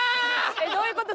どういうこと？